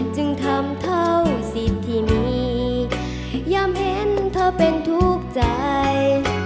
จึงทำเท่าสิทธิ์ที่มียามเห็นเธอเป็นทุกข์ใจ